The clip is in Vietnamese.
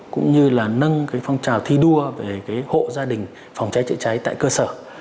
cũng như là nâng phong trào thi đua về hộ gia đình phòng cháy chữa cháy tại cơ sở